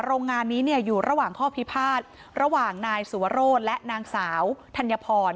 โรงงานนี้เนี่ยอยู่ระหว่างข้อพิพาทระหว่างนายสุวรสและนางสาวธัญพร